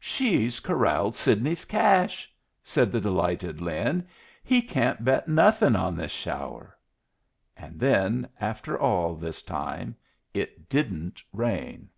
"She's corralled Sidney's cash!" said the delighted Lin. "He can't bet nothing on this shower." And then, after all, this time it didn't rain!